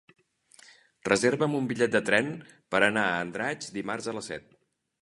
Reserva'm un bitllet de tren per anar a Andratx dimarts a les set.